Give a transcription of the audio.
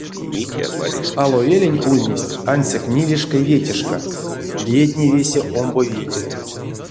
Аловелень ульнесть ансяк нилешка-ветешка, лиятне весе омбо велень.